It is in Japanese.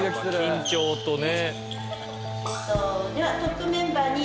緊張とね。